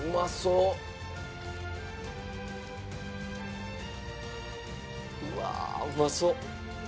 うわうまそう。